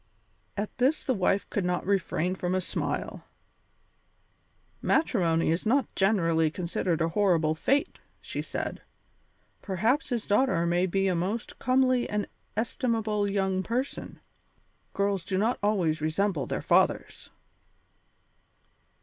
At this the wife could not refrain from a smile. "Matrimony is not generally considered a horrible fate," said she; "perhaps his daughter may be a most comely and estimable young person. Girls do not always resemble their fathers."